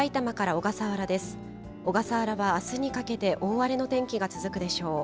小笠原はあすにかけて大荒れの天気が続くでしょう。